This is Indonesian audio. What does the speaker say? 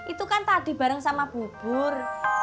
itu kan tadi bareng sama bubur